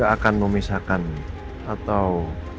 saya akan memisahkan atau